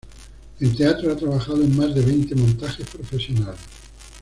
En teatro, ha trabajado en más de veinte montajes profesionales.